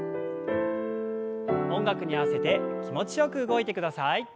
音楽に合わせて気持ちよく動いてください。